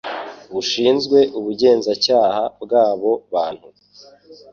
rushinzwe Ubugenzacyaha bwabo bantu